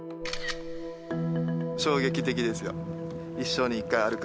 衝撃的ですよ。